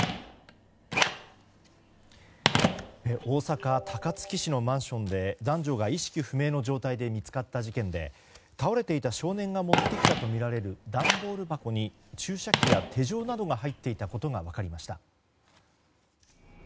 大阪・高槻市のマンションで男女が意識不明の状態で見つかった事件で倒れていた少年が持ってきたとみられる段ボール箱に注射器や手錠などが入っていたことが分かりました。